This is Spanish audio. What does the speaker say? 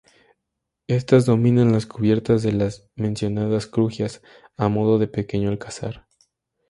Estas dominan las cubiertas de las mencionadas crujías, a modo de pequeño alcázar.